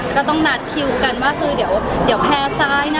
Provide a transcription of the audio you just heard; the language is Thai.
ก็ต้องนัดคิวกันว่าคือเดี๋ยวแพร่ซ้ายนะ